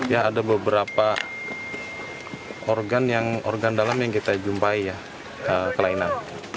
ya ada beberapa organ dalam yang kita jumpai ya kelainan